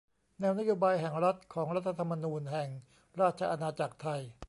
แนวนโยบายแห่งรัฐของรัฐธรรมนูญแห่งราชอาณาจักรไทย